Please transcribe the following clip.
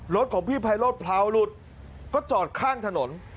รถของพี่ไพโรธเผลาหลุดก็จอดข้างถนน